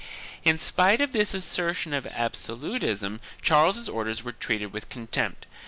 In spite of this assertion of absolutism, Charles's orders were treated with contempt.